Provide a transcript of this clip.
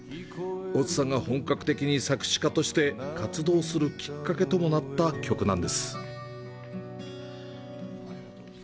大津さんが本格的に作詞家として活動するきっかけともなった曲です。